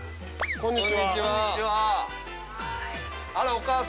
こんにちは。